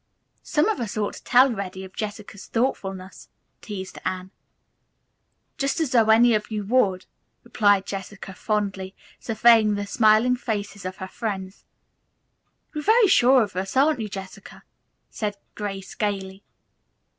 "Some of us ought to tell Reddy of Jessica's thoughtfulness," teased Anne. "Just as though any of you would," replied Jessica, fondly surveying the smiling faces of her friends. "You are very sure of us, aren't you, Jessica?" said Grace gayly.